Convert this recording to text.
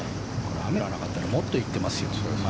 雨が降らなかったらもっといってますよ。